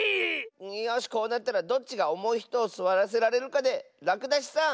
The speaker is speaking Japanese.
よしこうなったらどっちがおもいひとをすわらせられるかでらくだしさん